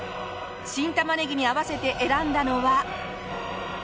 新たまねぎに合わせて選んだのは。